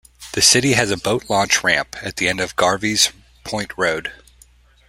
The city has a boat launch ramp at the end of Garvies Point Road.